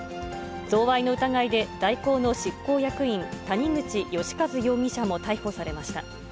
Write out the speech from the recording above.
贈賄の疑いで、大広の執行役員、谷口義一容疑者も逮捕されました。